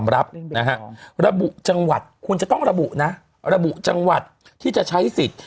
ระบุจังหวัดที่จะใช้สิทธิ์